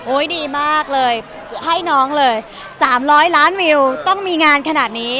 ดีมากเลยให้น้องเลย๓๐๐ล้านวิวต้องมีงานขนาดนี้